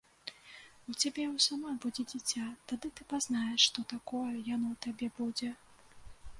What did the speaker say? У цябе ў самой будзе дзіця, тады ты пазнаеш, што такое яно табе будзе.